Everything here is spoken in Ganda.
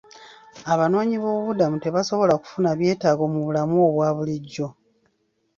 Abanoonyiboobubudamu tebasobola kufuna byetaago mu bulamu obwa bulijjo.